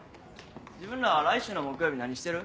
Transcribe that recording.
自分ら来週の木曜日何してる？